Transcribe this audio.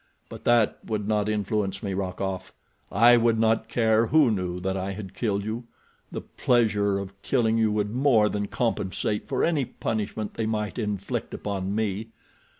But that would not influence me, Rokoff. I would not care who knew that I had killed you; the pleasure of killing you would more than compensate for any punishment they might inflict upon me.